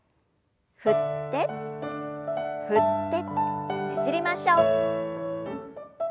振って振ってねじりましょう。